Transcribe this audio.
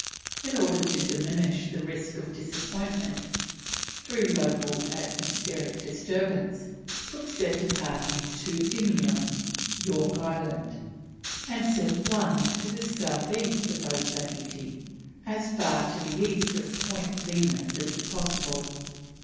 In order to diminish the risk of disappointment through local atmospheric disturbance, Cook sent a party to Eimeo (York Island), and a second one to the south east of Otaheite, as far to the east of Point Venus as possible.